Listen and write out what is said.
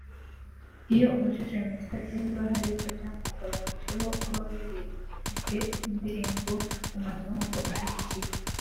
Iyo ubajije Mr D niba hari icyo byamuhungabanyijeho kuba yaribwe indirimbo’Umwanzuro’ nk’uko abyivugira